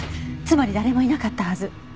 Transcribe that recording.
つまり誰もいなかったはず。